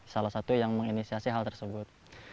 salah satu yang menginisiasi hal tersebut